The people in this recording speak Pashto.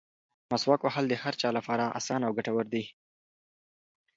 مسواک وهل د هر چا لپاره اسانه او ګټور دي.